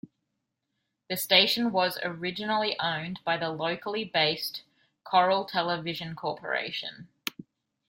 The station was originally owned by the locally-based Coral Television Corporation.